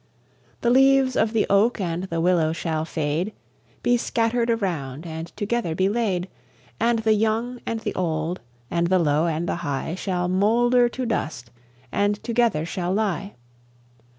The leaves of the oak and the willow shall fade, Be scattered around and together be laid; And the young and the old, and the low and the high, Shall moulder to dust and together shall lie.